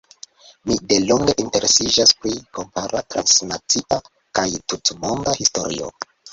Mi delonge interesiĝas pri kompara, transnacia kaj tutmonda historio.